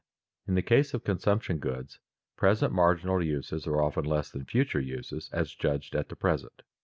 _In the case of consumption goods, present marginal uses are often less than future uses as judged at the present.